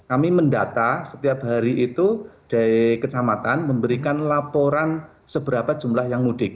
kami mendata setiap hari itu dari kecamatan memberikan laporan seberapa jumlah yang mudik